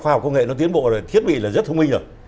khoa học công nghệ nó tiến bộ rồi thiết bị là rất thông minh rồi